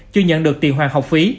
chưa nhận được tiền hoàn học phí